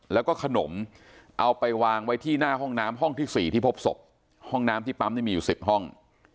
แล้วก็ขนมเอาไปวางไว้ที่หน้าห้องน้ำห้องที่๔ที่พบศพห้องน้ำที่ปั๊มมีอยู่๑๐ห้อง